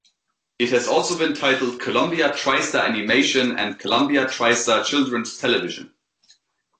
It has also been titled "Columbia TriStar Animation" and "Columbia TriStar Children's Television".